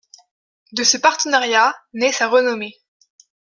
De ce partenariat, naît sa renommée.